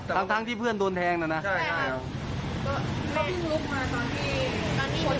แล้วเขาไปล้วงตรังเขามาในกระเป๋าครับ๒๐บาท